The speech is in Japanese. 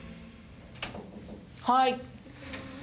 はい。